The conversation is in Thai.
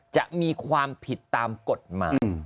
จะมีความผิดตามกฎหมาย